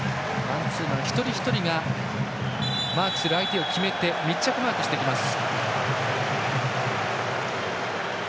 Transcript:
イングランド一人一人がマークする相手を決め密着マークしていきます。